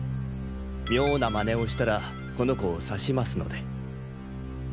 妙な真似をしたらこの子を刺しますので。